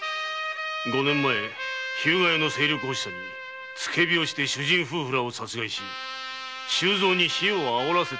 五年前日向屋の勢力欲しさに付け火をして主人夫婦を殺害し周蔵に火を煽らせた罪は明白。